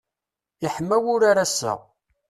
Iḥma wurar ass-a.